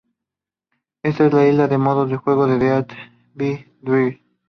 Esta es la lista de modos de juego de "Death by Degrees".